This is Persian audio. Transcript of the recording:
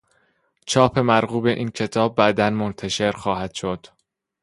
چاپ مرغوب این کتاب بعدا منتشر خواهد شد.